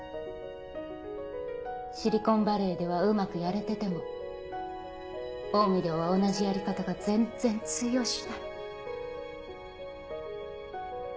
シリコンバレーではうまくやれててもオウミでは同じやり方が全然通用しない。